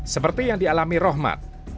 seperti yang dialami rohmat